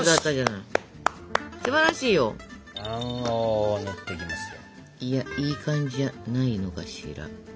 いやいい感じじゃないのかしら。